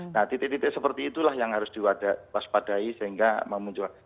nah titik titik seperti itulah yang harus diwaspadai sehingga memunculkan